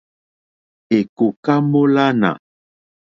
Èkòká mólánà.